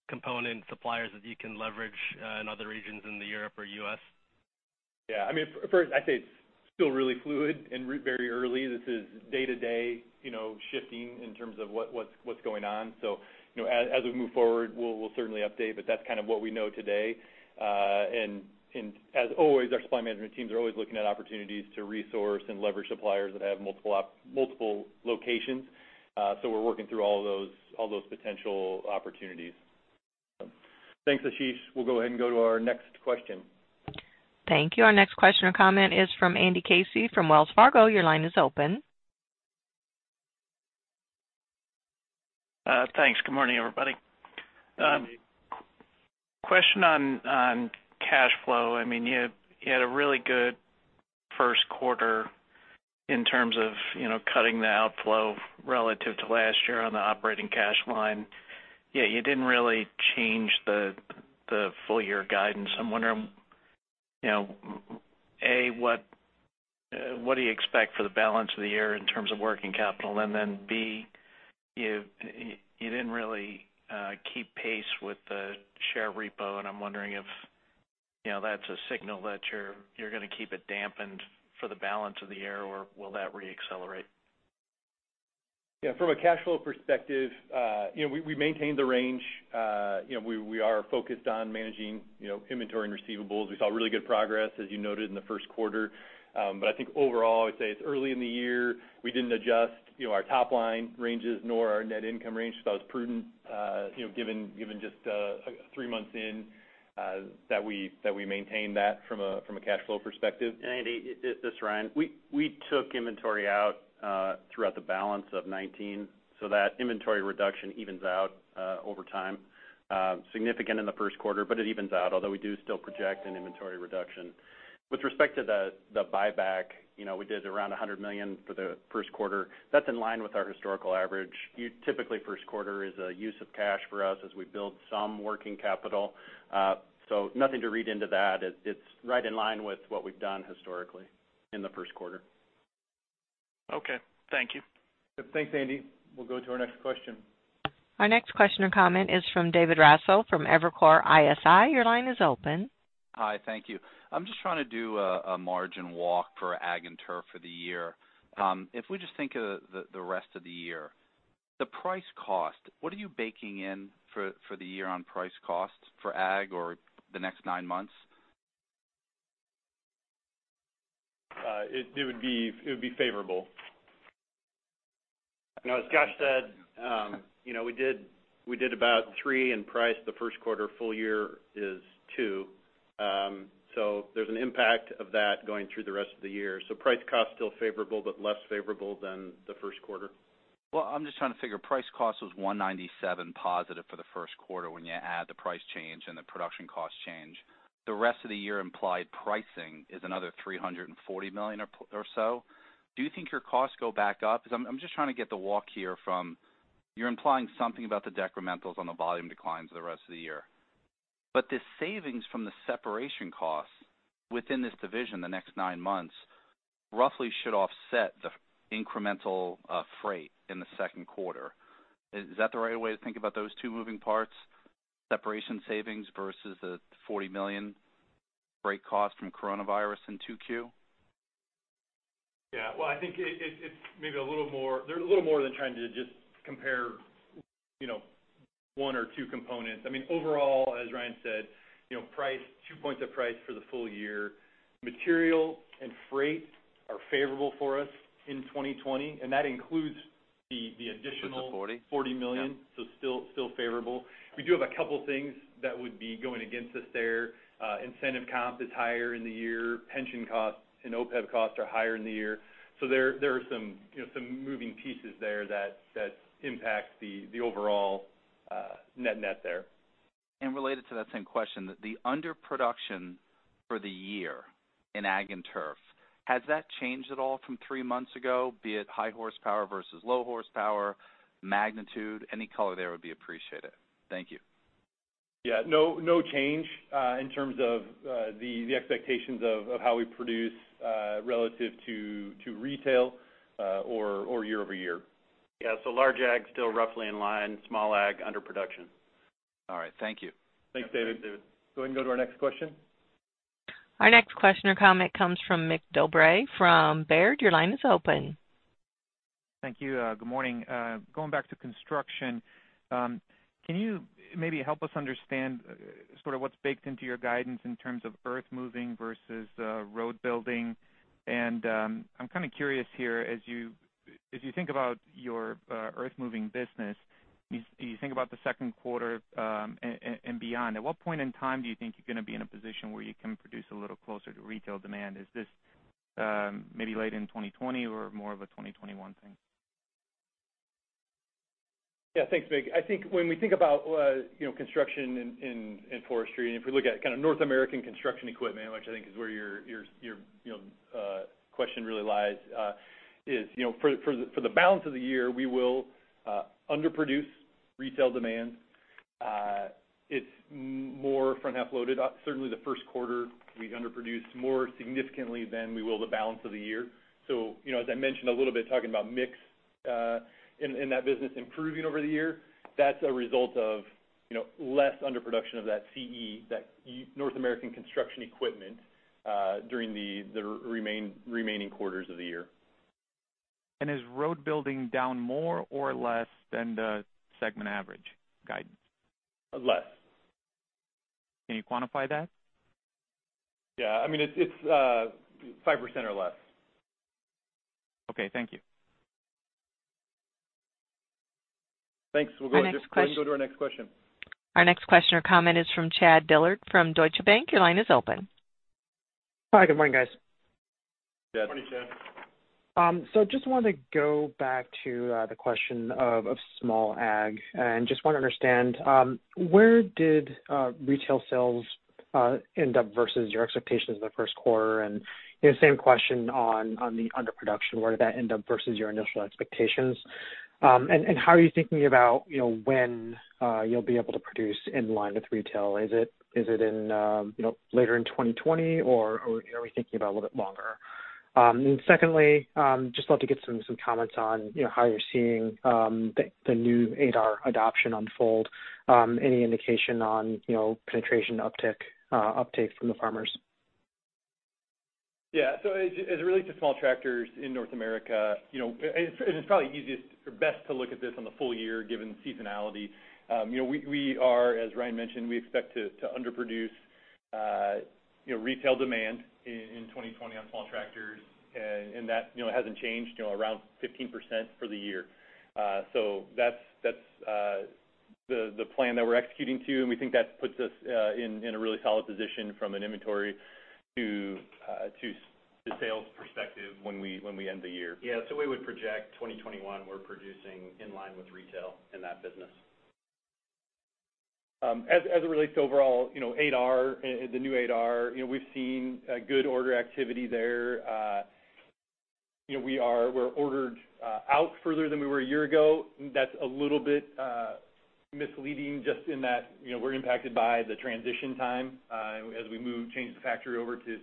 component suppliers that you can leverage in other regions in the Europe or U.S.? Yeah. I'd say it's still really fluid and very early. This is day-to-day shifting in terms of what's going on. As we move forward, we'll certainly update, but that's kind of what we know today. As always, our supply management teams are always looking at opportunities to resource and leverage suppliers that have multiple locations. We're working through all those potential opportunities. Thanks, Ashish. We'll go ahead and go to our next question. Thank you. Our next question or comment is from Andy Casey from Wells Fargo. Your line is open. Thanks. Good morning, everybody. Good morning, Andy. Question on cash flow. You had a really good first quarter in terms of cutting the outflow relative to last year on the operating cash line, yet you didn't really change the full year guidance. I'm wondering, A, what do you expect for the balance of the year in terms of working capital? B, you didn't really keep pace with the share repo, and I'm wondering if that's a signal that you're going to keep it dampened for the balance of the year, or will that re-accelerate? From a cash flow perspective, we maintained the range. We are focused on managing inventory and receivables. We saw really good progress, as you noted in the first quarter. I think overall, I would say it's early in the year. We didn't adjust our top line ranges nor our net income range. That was prudent given just three months in, that we maintained that from a cash flow perspective. Andy, this is Ryan. We took inventory out throughout the balance of 2019, so that inventory reduction evens out over time. Significant in the first quarter, but it evens out, although we do still project an inventory reduction. With respect to the buyback, we did around $100 million for the first quarter. That's in line with our historical average. Typically, first quarter is a use of cash for us as we build some working capital. Nothing to read into that. It's right in line with what we've done historically in the first quarter. Okay. Thank you. Thanks, Andy. We'll go to our next question. Our next question or comment is from David Raso from Evercore ISI. Your line is open. Hi, thank you. I'm just trying to do a margin walk for Ag & Turf for the year. If we just think of the rest of the year, the price cost, what are you baking in for the year on price costs for Ag or the next nine months? It would be favorable. As Scott said, we did about three in price the first quarter, full year is two. There's an impact of that going through the rest of the year. Price cost still favorable, but less favorable than the first quarter. Well, I'm just trying to figure price cost was $197 positive for the first quarter when you add the price change and the production cost change. The rest of the year implied pricing is another $340 million or so. Do you think your costs go back up? I'm just trying to get the walk here from you're implying something about the decrementals on the volume declines the rest of the year. The savings from the separation costs within this division the next nine months roughly should offset the incremental freight in the second quarter. Is that the right way to think about those two moving parts, separation savings versus the $40 million? Great cost from coronavirus in 2Q? Yeah. Well, I think they're a little more than trying to just compare one or two components. Overall, as Ryan said, two points of price for the full year. Material and freight are favorable for us in 2020, and that includes the additional. 40? $40 million. Yeah. Still favorable. We do have a couple things that would be going against us there. Incentive comp is higher in the year. Pension costs and OPEB costs are higher in the year. There are some moving pieces there that impact the overall net there. Related to that same question, the underproduction for the year in Agriculture & Turf, has that changed at all from three months ago? Be it high horsepower versus low horsepower, magnitude, any color there would be appreciated. Thank you. No change in terms of the expectations of how we produce relative to retail or year-over-year. Yeah. large ag still roughly in line, small ag, underproduction. All right. Thank you. Thanks, David. Go ahead and go to our next question. Our next question or comment comes from Mig Dobre from Baird. Your line is open. Thank you. Good morning. Going back to construction, can you maybe help us understand sort of what's baked into your guidance in terms of earthmoving versus road building? I'm kind of curious here, as you think about your earthmoving business, you think about the second quarter and beyond. At what point in time do you think you're going to be in a position where you can produce a little closer to retail demand? Is this maybe late in 2020 or more of a 2021 thing? Yeah, thanks, Mig. I think when we think about Construction and Forestry, and if we look at kind of North American construction equipment, which I think is where your question really lies, is for the balance of the year, we will underproduce retail demand. It's more front half loaded. Certainly the first quarter we've underproduced more significantly than we will the balance of the year. As I mentioned a little bit, talking about mix in that business improving over the year, that's a result of less underproduction of that CE, that North American construction equipment during the remaining quarters of the year. Is road building down more or less than the segment average guidance? Less. Can you quantify that? Yeah. It's 5% or less. Okay, thank you. Thanks. Our next question. Ahead and go to our next question. Our next question or comment is from Chad Dillard from Deutsche Bank. Your line is open. Hi, good morning, guys. Chad. Good morning, Chad. Just wanted to go back to the question of small Ag, and just want to understand where did retail sales end up versus your expectations in the first quarter? Same question on the underproduction. Where did that end up versus your initial expectations? How are you thinking about when you'll be able to produce in line with retail? Is it later in 2020, or are we thinking about a little bit longer? Secondly, just love to get some comments on how you're seeing the new 8R adoption unfold. Any indication on penetration uptake from the farmers? Yeah. As it relates to small tractors in North America, and it's probably easiest or best to look at this on the full year, given seasonality. We are, as Ryan mentioned, we expect to underproduce retail demand in 2020 on small tractors, and that hasn't changed, around 15% for the year. That's the plan that we're executing to, and we think that puts us in a really solid position from an inventory to sales perspective when we end the year. Yeah. We would project 2021, we're producing in line with retail in that business. As it relates to overall 8R, the new 8R, we've seen good order activity there. We're ordered out further than we were a year ago. That's a little bit misleading just in that we're impacted by the transition time as we change the factory over to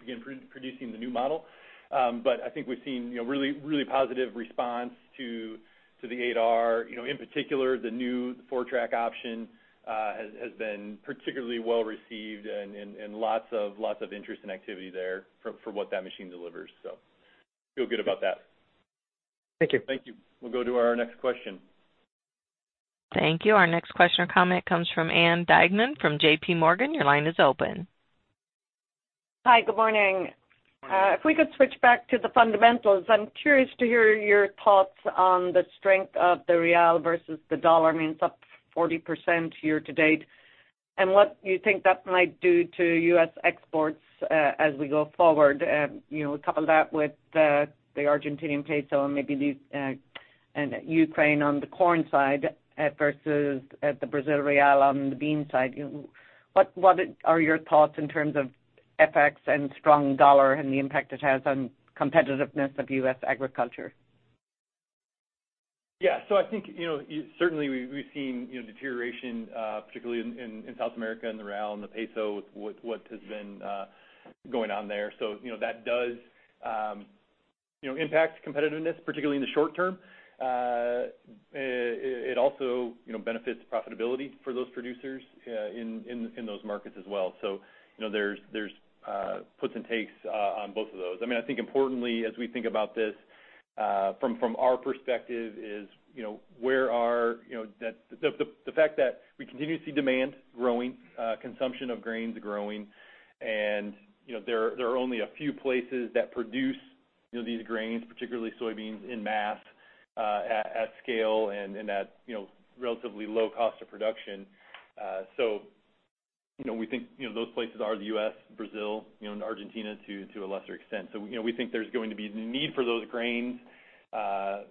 begin producing the new model. I think we've seen really positive response to the 8R. In particular, the new four-track option has been particularly well-received and lots of interest and activity there for what that machine delivers. Feel good about that. Thank you. Thank you. We'll go to our next question. Thank you. Our next question or comment comes from Ann Duignan from JPMorgan. Your line is open. Hi. Good morning. Good morning. If we could switch back to the fundamentals, I'm curious to hear your thoughts on the strength of the BRL versus the U.S. dollar. I mean, it's up 40% year-to-date. What you think that might do to U.S. exports as we go forward? Couple that with the Argentinian peso and maybe Ukraine on the corn side versus the Brazil BRL on the bean side. What are your thoughts in terms of FX and strong U.S. dollar and the impact it has on competitiveness of U.S. agriculture? I think certainly we've seen deterioration particularly in South America, in the real and the peso with what has been going on there. That does impact competitiveness, particularly in the short term. It also benefits profitability for those producers in those markets as well. There's puts and takes on both of those. I think importantly, as we think about this, from our perspective is the fact that we continue to see demand growing, consumption of grains growing, and there are only a few places that produce these grains, particularly soybeans, en masse, at scale and at relatively low cost of production. We think those places are the U.S., Brazil and Argentina to a lesser extent. We think there's going to be need for those grains,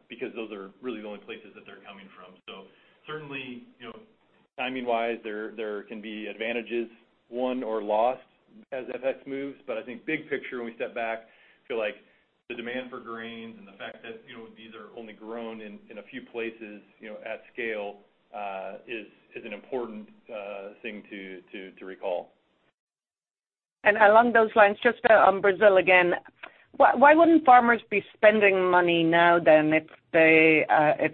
because those are really the only places that they're coming from. Certainly, timing-wise, there can be advantages won or lost as FX moves. I think big picture, when we step back, I feel like the demand for grains and the fact that these are only grown in a few places at scale, is an important thing to recall. Along those lines, just on Brazil again, why wouldn't farmers be spending money now than if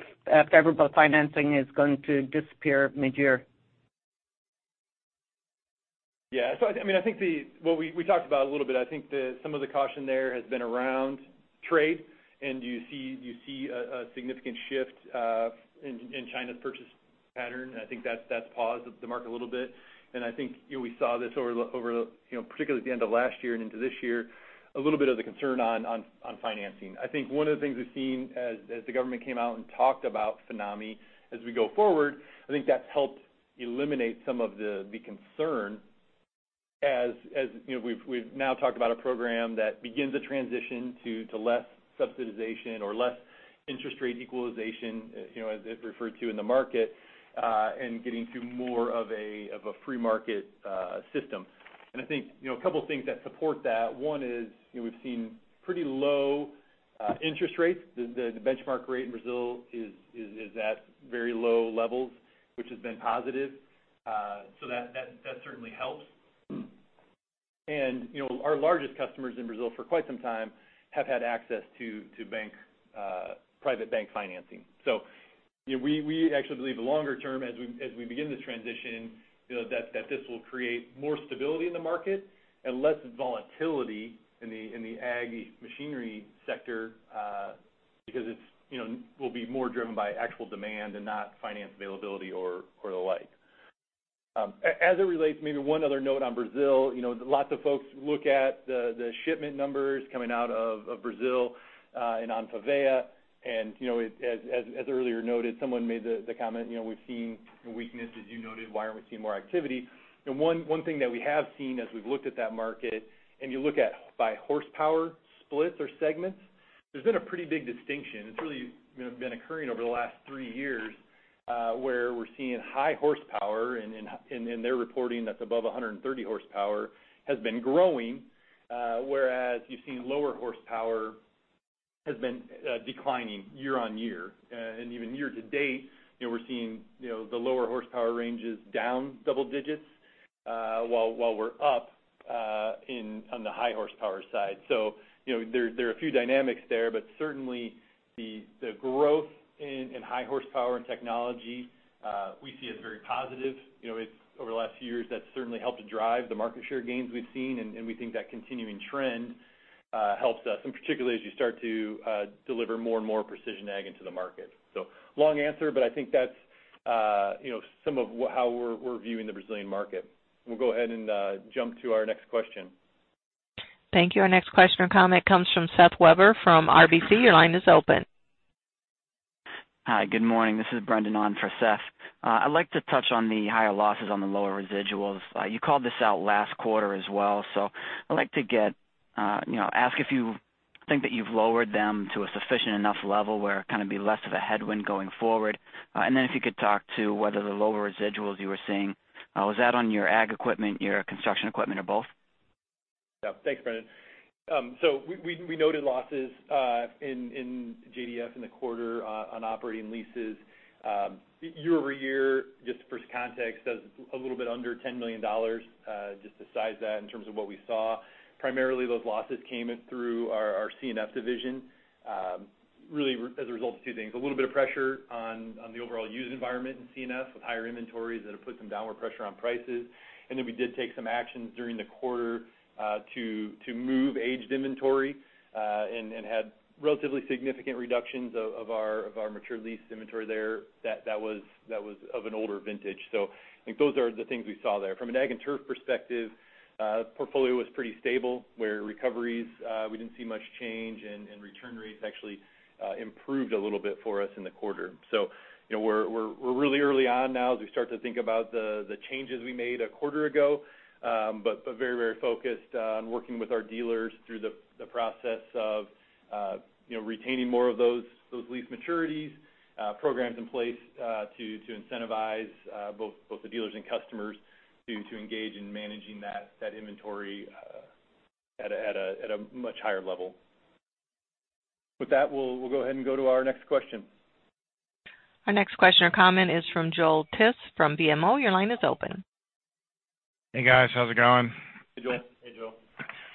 favorable financing is going to disappear midyear? Yeah. We talked about it a little bit. I think some of the caution there has been around trade, and you see a significant shift in China's purchase pattern, and I think that's paused the market a little bit. I think we saw this, particularly at the end of last year and into this year, a little bit of the concern on financing. I think one of the things we've seen as the government came out and talked about FINAME as we go forward, I think that's helped eliminate some of the concern as we've now talked about a program that begins a transition to less subsidization or less interest rate equalization, as it's referred to in the market, and getting to more of a free market system. I think a couple of things that support that. One is we've seen pretty low interest rates. The benchmark rate in Brazil is at very low levels, which has been positive. That certainly helps. Our largest customers in Brazil for quite some time have had access to private bank financing. We actually believe longer term, as we begin this transition, that this will create more stability in the market and less volatility in the ag machinery sector, because it will be more driven by actual demand and not finance availability or the like. As it relates, maybe one other note on Brazil. Lots of folks look at the shipment numbers coming out of Brazil and on ANFAVEA. As earlier noted, someone made the comment, we've seen weakness, as you noted, why aren't we seeing more activity? One thing that we have seen as we've looked at that market, you look at by horsepower splits or segments, there's been a pretty big distinction. It's really been occurring over the last three years, where we're seeing high horsepower, and they're reporting that's above 130 horsepower, has been growing, whereas you've seen lower horsepower has been declining year-on-year. Even year-to-date, we're seeing the lower horsepower ranges down double digits, while we're up on the high horsepower side. There are a few dynamics there, but certainly the growth in high horsepower and technology, we see as very positive. Over the last few years, that's certainly helped to drive the market share gains we've seen, and we think that continuing trend helps us, and particularly as you start to deliver more and more precision ag into the market. Long answer, but I think that's some of how we're viewing the Brazilian market. We'll go ahead and jump to our next question. Thank you. Our next question or comment comes from Seth Weber from RBC. Your line is open. Hi. Good morning. This is Brendan on for Seth. I'd like to touch on the higher losses on the lower residuals. You called this out last quarter as well. I'd like to ask if you think that you've lowered them to a sufficient enough level where it'd kind of be less of a headwind going forward. If you could talk to whether the lower residuals you were seeing, was that on your ag equipment, your construction equipment, or both? Yeah. Thanks, Brendan. We noted losses in JDF in the quarter on operating leases. Year-over-year, just for context, that's a little bit under $10 million. Just the size that in terms of what we saw. Primarily those losses came in through our C&F division. Really as a result of two things. A little bit of pressure on the overall used environment in C&F with higher inventories that have put some downward pressure on prices. We did take some actions during the quarter to move aged inventory and had relatively significant reductions of our mature leased inventory there that was of an older vintage. I think those are the things we saw there. From an Ag & Turf perspective, portfolio was pretty stable where recoveries, we didn't see much change and return rates actually improved a little bit for us in the quarter. We're really early on now as we start to think about the changes we made a quarter ago. Very focused on working with our dealers through the process of retaining more of those lease maturities. Programs in place to incentivize both the dealers and customers to engage in managing that inventory at a much higher level. With that, we'll go ahead and go to our next question. Our next question or comment is from Joel Tiss from BMO. Your line is open. Hey guys, how's it going? Hey, Joel. Hey, Joel.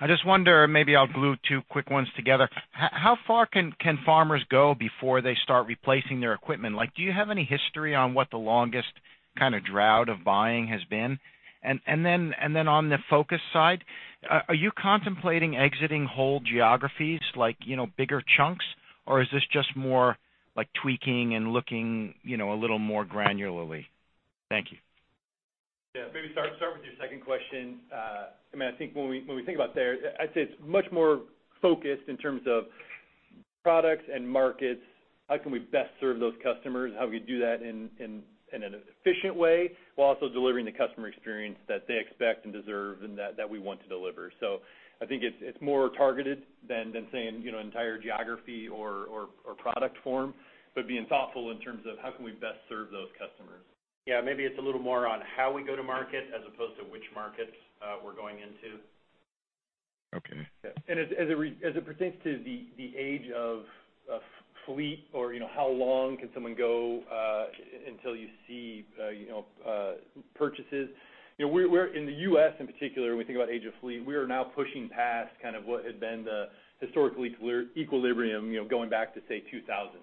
I just wonder, maybe I'll glue two quick ones together. How far can farmers go before they start replacing their equipment? Do you have any history on what the longest drought of buying has been? On the focus side, are you contemplating exiting whole geographies, like bigger chunks? Is this just more tweaking and looking a little more granularly? Thank you. Yeah. Maybe start with your second question. I think when we think about there, I'd say it's much more focused in terms of products and markets, how can we best serve those customers, how we do that in an efficient way, while also delivering the customer experience that they expect and deserve and that we want to deliver. I think it's more targeted than saying entire geography or product form, but being thoughtful in terms of how can we best serve those customers. Yeah, maybe it's a little more on how we go to market as opposed to which markets we're going into. Okay. Yeah. As it pertains to the age of fleet or how long can someone go until you see purchases. In the U.S. in particular, when we think about age of fleet, we are now pushing past kind of what had been the historical equilibrium, going back to, say, 2000.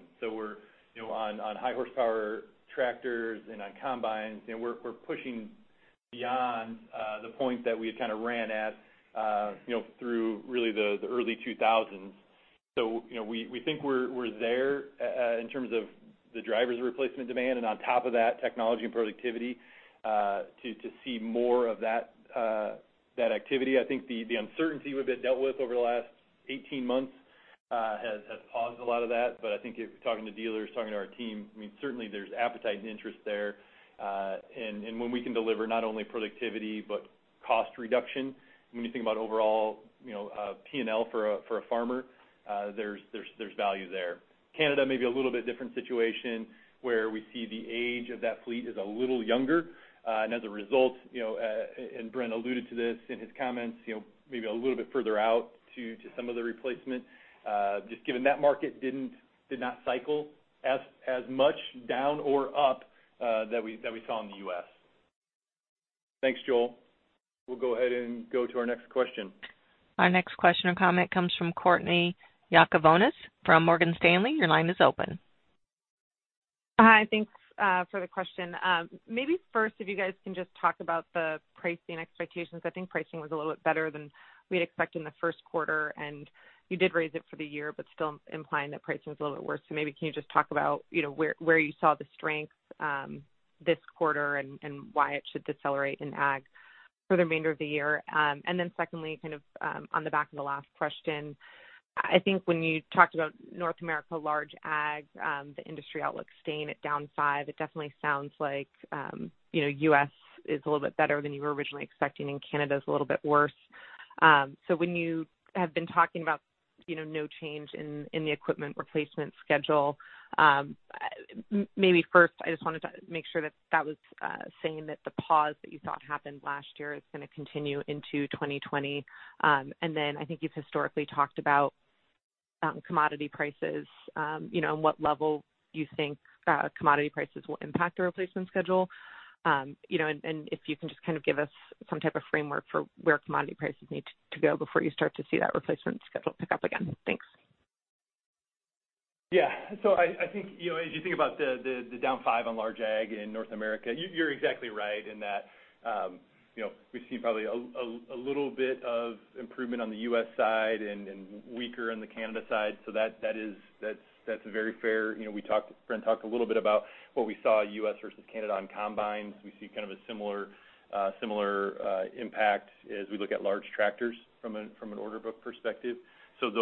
On high horsepower tractors and on combines, we're pushing beyond the point that we had kind of ran at through really the early 2000s. We think we're there, in terms of the drivers of replacement demand and on top of that, technology and productivity, to see more of that activity. I think the uncertainty we've had dealt with over the last 18 months has paused a lot of that. I think talking to dealers, talking to our team, certainly there's appetite and interest there. When we can deliver not only productivity, but cost reduction, when you think about overall P&L for a farmer, there's value there. Canada may be a little bit different situation where we see the age of that fleet is a little younger. As a result, Brent alluded to this in his comments, maybe a little bit further out to some of the replacement. Just given that market did not cycle as much down or up that we saw in the U.S. Thanks, Joel. We'll go ahead and go to our next question. Our next question or comment comes from Courtney Yakavonis from Morgan Stanley. Your line is open. Hi. Thanks for the question. Maybe first, if you guys can just talk about the pricing expectations. I think pricing was a little bit better than we had expected in the first quarter, and you did raise it for the year, but still implying that pricing was a little bit worse. Maybe can you just talk about where you saw the strength this quarter and why it should decelerate in ag for the remainder of the year? Secondly, kind of on the back of the last question, I think when you talked about North America large ag, the industry outlook staying at down five, it definitely sounds like U.S. is a little bit better than you were originally expecting and Canada's a little bit worse. When you have been talking about no change in the equipment replacement schedule, maybe first I just wanted to make sure that that was saying that the pause that you saw happen last year is going to continue into 2020. Then I think you've historically talked about commodity prices, and what level you think commodity prices will impact a replacement schedule. If you can just kind of give us some type of framework for where commodity prices need to go before you start to see that replacement schedule pick up again. Thanks. Yeah. I think as you think about the down five on large ag in North America, you're exactly right in that we've seen probably a little bit of improvement on the U.S. side and weaker in the Canada side. That's very fair. Brent talked a little bit about what we saw U.S. versus Canada on combines. We see kind of a similar impact as we look at large tractors from an order book perspective. That's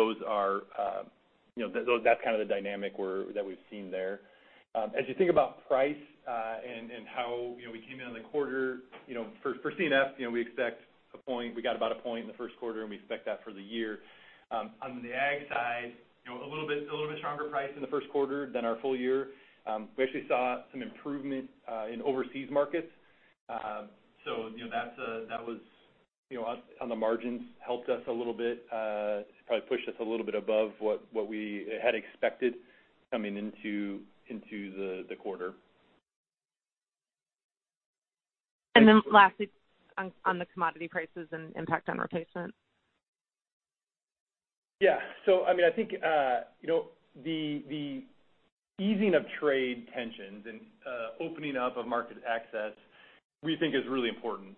kind of the dynamic that we've seen there. As you think about price and how we came in on the quarter, for C&F, we got about a point in the first quarter and we expect that for the year. On the Ag side, a little bit stronger price in the first quarter than our full year. We actually saw some improvement in overseas markets. That on the margins helped us a little bit to probably push us a little bit above what we had expected coming into the quarter. Lastly on the commodity prices and impact on replacement. Yeah. I think the easing of trade tensions and opening up of market access, we think is really important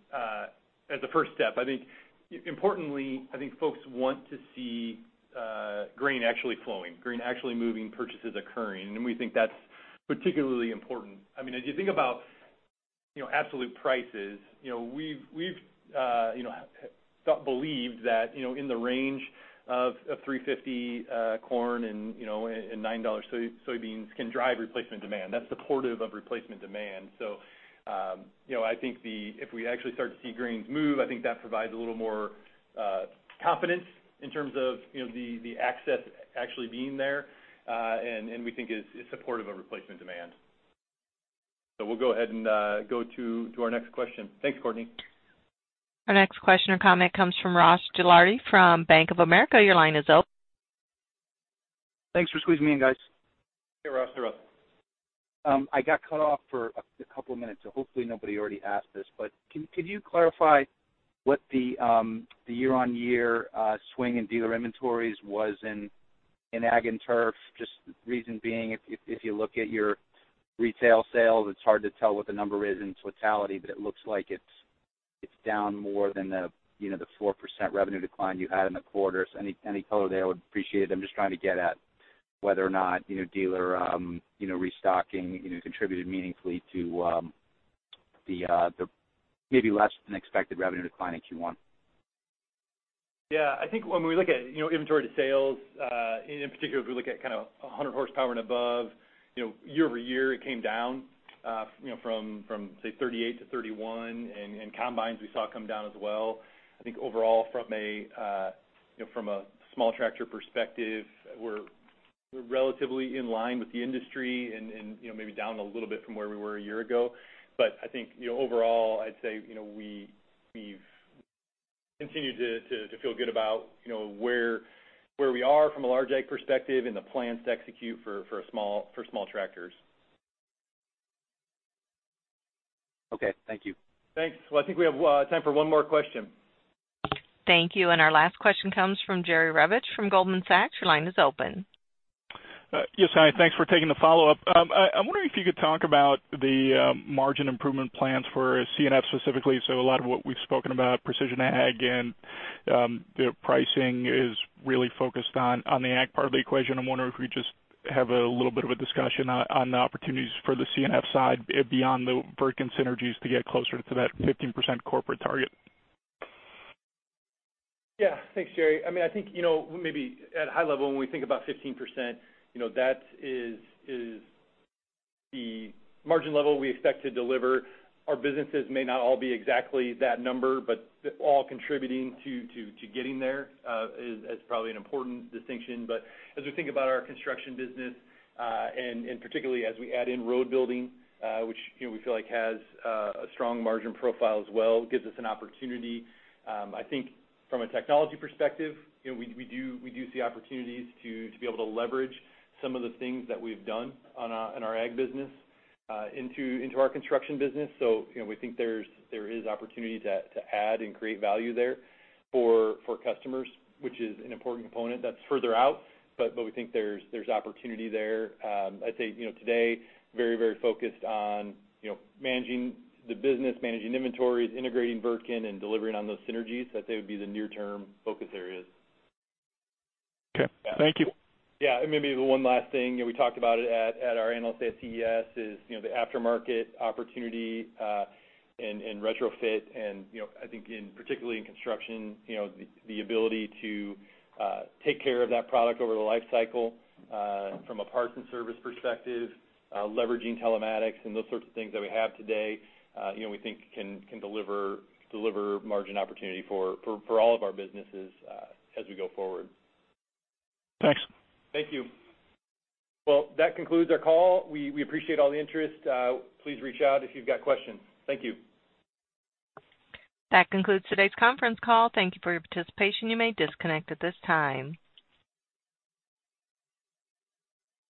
as a first step. Importantly, I think folks want to see grain actually flowing, grain actually moving, purchases occurring, and we think that's particularly important. As you think about absolute prices, we've believed that in the range of $3.50 corn and $9 soybeans can drive replacement demand. That's supportive of replacement demand. I think if we actually start to see grains move, I think that provides a little more confidence in terms of the access actually being there. And we think it's supportive of replacement demand. We'll go ahead and go to our next question. Thanks, Courtney. Our next question or comment comes from Ross Gilardi from Bank of America. Your line is open. Thanks for squeezing me in, guys. Hey, Ross. Sure. I got cut off for a couple of minutes, so hopefully nobody already asked this, but could you clarify what the year-on-year swing in dealer inventories was in Ag & Turf? Just the reason being, if you look at your retail sales, it's hard to tell what the number is in totality, but it looks like it's down more than the 4% revenue decline you had in the quarter. Any color there would be appreciated. I'm just trying to get at whether or not dealer restocking contributed meaningfully to the maybe less than expected revenue decline in Q1. Yeah. I think when we look at inventory to sales, and in particular, if we look at kind of 100 horsepower and above, year-over-year it came down from, say, 38-31. Combines we saw come down as well. I think overall from a small tractor perspective, we're relatively in line with the industry and maybe down a little bit from where we were a year ago. I think overall, I'd say we've continued to feel good about where we are from a large ag perspective and the plans to execute for small tractors. Okay. Thank you. Thanks. Well, I think we have time for one more question. Thank you. Our last question comes from Jerry Revich from Goldman Sachs. Your line is open. Yes. Hi. Thanks for taking the follow-up. I'm wondering if you could talk about the margin improvement plans for C&F specifically. A lot of what we've spoken about, precision ag and the pricing is really focused on the ag part of the equation. I'm wondering if we just have a little bit of a discussion on the opportunities for the C&F side beyond the Wirtgen synergies to get closer to that 15% corporate target. Yeah. Thanks, Jerry. I think maybe at a high level, when we think about 15%, that is the margin level we expect to deliver. Our businesses may not all be exactly that number, all contributing to getting there is probably an important distinction. As we think about our construction business, and particularly as we add in road building, which we feel like has a strong margin profile as well, gives us an opportunity. I think from a technology perspective, we do see opportunities to be able to leverage some of the things that we've done in our Ag business into our Construction business. We think there is opportunity to add and create value there for customers, which is an important component that's further out, but we think there's opportunity there. I'd say today, very focused on managing the business, managing inventories, integrating Wirtgen, and delivering on those synergies. I'd say would be the near-term focus areas. Okay. Thank you. Yeah. Maybe one last thing. We talked about it at our analyst day at CES is the aftermarket opportunity and retrofit and I think particularly in construction, the ability to take care of that product over the life cycle from a parts and service perspective, leveraging telematics and those sorts of things that we have today we think can deliver margin opportunity for all of our businesses as we go forward. Thanks. Thank you. That concludes our call. We appreciate all the interest. Please reach out if you've got questions. Thank you. That concludes today's conference call. Thank you for your participation. You may disconnect at this time.